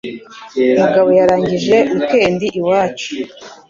Mugabo yarangije weekend iwacu.